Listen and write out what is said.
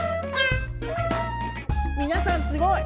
みなさんすごい！